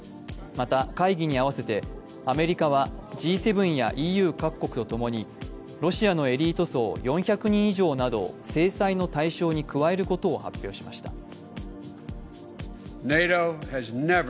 また、会議に合わせてアメリカはＧ７やＥＵ各国とともにロシアのエリート層４００人以上などを制裁の対象に加えることを発表しました。